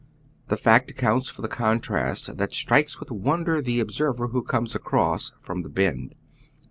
The fact accounts for the contrast that strikes with wonder the observer who conies across from the Bend.